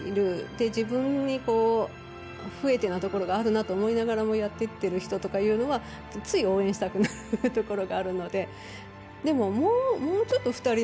で、自分に不得手なところがあるなと思いながらもやっていってるっていう人というのは、つい応援したくなるところがあるので。